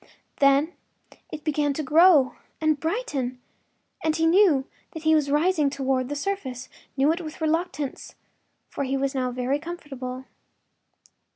Then it began to grow and brighten, and he knew that he was rising toward the surface—knew it with reluctance, for he was now very comfortable.